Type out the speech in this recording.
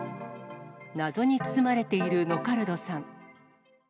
謎に包まれているノカルドさん。